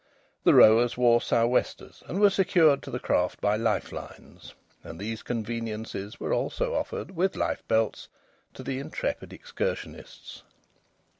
The rowers wore sou'westers and were secured to the craft by life lines, and these conveniences were also offered, with life belts, to the intrepid excursionists.